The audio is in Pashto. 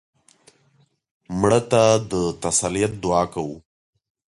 مړه ته د تسلیت دعا کوو